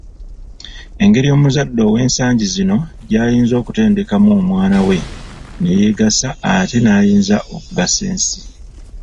Engeri omuzadde ow'ensangi zino gy’ayinza okutendekamu omwana we ne yeegasa ate n’ayinza n’okugasa ensi.